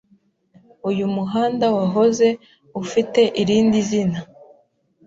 Uyu muhanda wahoze ufite irindi zina.